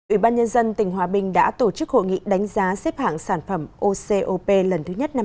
ủy ban nhân dân tỉnh hòa bình đã tổ chức hội nghị đánh giá xếp hạng sản phẩm ocop lần thứ nhất năm hai nghìn hai mươi